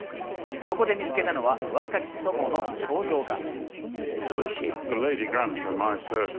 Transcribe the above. そこで見つけたのは若き祖母の肖像画。